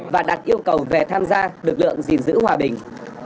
và đặt yêu cầu về tham gia lực lượng gìn giữ hòa bình